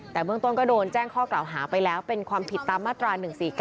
แต่เบื้องต้นก็โดนแจ้งข้อกล่าวหาไปแล้วเป็นความผิดตามมาตรา๑๔๙